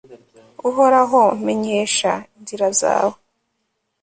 uhoraho, menyesha inzira zawe